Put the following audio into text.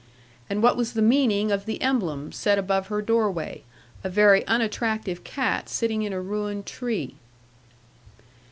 And what was the meaning of the emblem set above her doorway, a very unattractive cat sitting in a ruined tree?